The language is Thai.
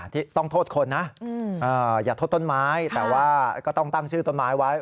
ที่ต้องโทษคนนะอย่าโทษต้นไม้แต่ว่าก็ต้องตั้งชื่อต้นไม้ไว้